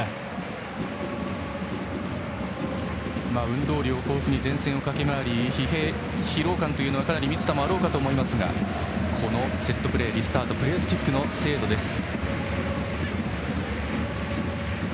運動量豊富に前線を駆け回り疲労感は満田もかなりあろうかと思いますがこのセットプレー、リスタートプレースキックの精度です。